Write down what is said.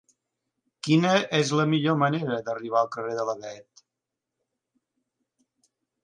Quina és la millor manera d'arribar al carrer de l'Avet?